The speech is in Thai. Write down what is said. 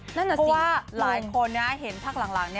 เพราะว่าหลายคนเห็นพรรคหลัง